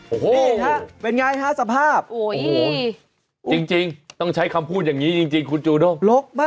โอ้โหนี่ค่ะเป็นไงฮะสภาพโอ้โหจริงจริงต้องใช้คำพูดอย่างนี้จริงจริง